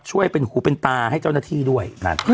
ช่วยเป็นหูเป็นตาให้เจ้าหน้าที่ด้วย